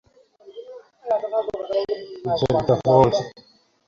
বিচলিত হওয়া উচিৎ!